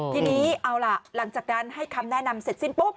ทีนี้เอาล่ะหลังจากนั้นให้คำแนะนำเสร็จสิ้นปุ๊บ